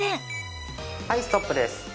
はいストップです。